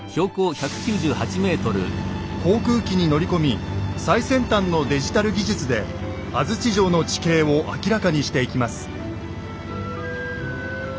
航空機に乗り込み最先端のデジタル技術で安土城の地形を明らかにしていきます。